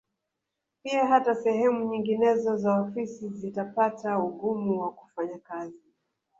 Pia hata sehemu nyinginezo za ofisi zitapata ugumu wa kufanya kazi